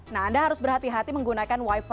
nah anda harus berhati hati menggunakan wifi